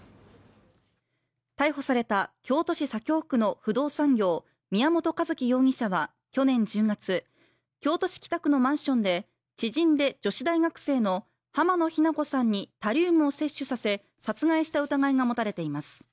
逮捕された京都市左京区の不動産業宮本一希容疑者は去年１０月、京都市北区のマンションで知人で女子大学生の濱野日菜子さんにタリウムを摂取させ、殺害した疑いが持たれています。